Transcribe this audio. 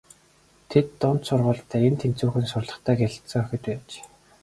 Тэд дунд сургуульдаа эн тэнцүүхэн сурлагатай гялалзсан охид байж.